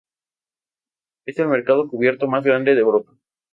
Es el mercado cubierto más grande de Europa.